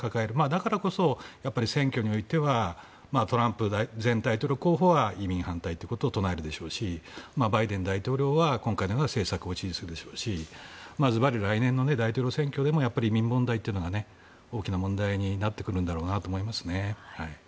だからこそ、選挙においてはトランプ前大統領候補は移民反対ということを唱えるでしょうしバイデン大統領は今回のような政策を支持するでしょうしずばり来年の大統領選挙でも移民問題というのが大きな問題になってくるんだろうなと思いますね。